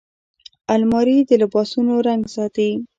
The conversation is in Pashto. الماري د لباسونو رنګ ساتي